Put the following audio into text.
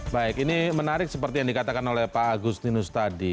baik ini menarik seperti yang dikatakan pak agus ninus tadi